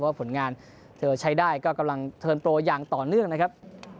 ผลงานเธอใช้ได้ก็กำลังเทิร์นโปรอย่างต่อเนื่องนะครับ